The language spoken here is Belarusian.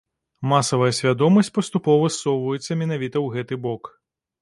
Масавая свядомасць паступова ссоўваецца менавіта ў гэты бок.